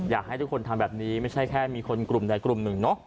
อยากให้ทุกคนทำแบบนี้ไม่ใช่แค่มีคนกลุ่มใดกลุ่มหนึ่งเนาะ